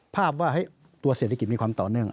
ภาพว่าตัวเศรษฐกิจมีความต่อเนื่อง